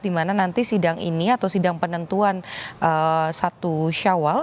di mana nanti sidang ini atau sidang penentuan satu syawal